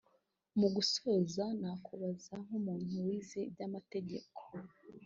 Mu gusoza nakubaza nk’umuntu wize iby’amategeko